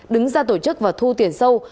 đứng ra tổ chức và thu tiền sâu